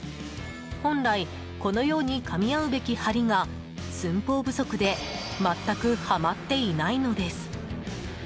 本来このようにかみ合うべき梁が寸法不足で全くはまっていないのです。